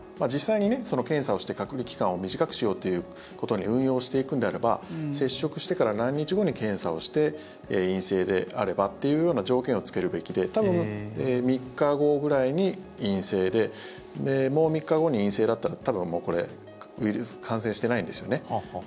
実際に検査をして隔離期間を短くしようということに運用していくんであれば接触してから何日後に検査をして陰性であればっていうような条件をつけるべきで多分３日後ぐらいに陰性でもう３日後に陰性だったら多分もうこれ感染してないんですよね。